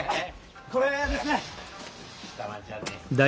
これですね。